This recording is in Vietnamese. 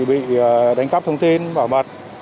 bị đánh cắp thông tin bảo mật